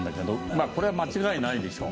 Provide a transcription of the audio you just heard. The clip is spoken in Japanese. まあこれは間違いないでしょう。